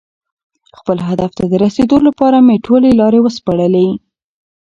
خپل هدف ته د رسېدو لپاره مې ټولې لارې وسپړلې.